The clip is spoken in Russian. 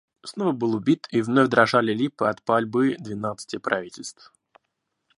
Снова был убит, и вновь дрожали липы от пальбы двенадцати правительств.